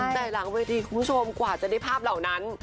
แต่หลังเวทีคุณผู้ชมกว่าจะได้ภาพเหล่านั้น